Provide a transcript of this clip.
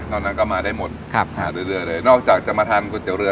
ตอนนั้นก็มาได้หมดครับหาเรื่อยเลยนอกจากจะมาทานก๋วยเตี๋เรือ